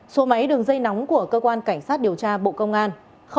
số máy đường dây nóng của cơ quan cảnh sát điều tra bộ công an